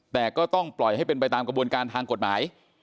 แต่ก็ต้องปล่อยให้เป็นไปตามกระบวนการทางกฎหมาย